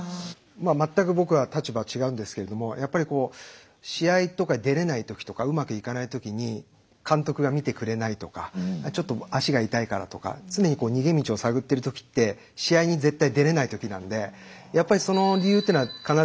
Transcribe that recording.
全く僕は立場が違うんですけれどもやっぱりこう試合とか出れない時とかうまくいかない時に監督が見てくれないとかちょっと足が痛いからとか常に逃げ道を探ってる時って試合に絶対出れない時なんでやっぱりその理由っていうのは必ず自分にあって。